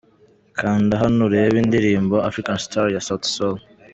Kanda Hano Urebe indirimbo 'Afrikan Star' ya Sauti Sol.